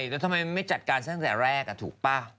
แล้วทำไมไม่จัดการตั้งแต่แรกถูกป่ะ